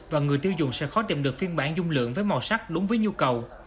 và người tiêu dùng sẽ khó tìm được phiên bản dung lượng với màu sắc đúng với nhu cầu